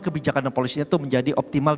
kebijakan dan polisinya itu menjadi optimal